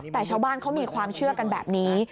แต่ชาวบ้านเขามีความเชื่อกันแบบนี้